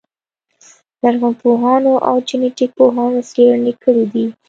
لرغونپوهانو او جنټیک پوهانو څېړنې کړې دي.